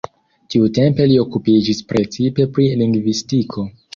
Tiutempe li okupiĝis precipe pri lingvistiko.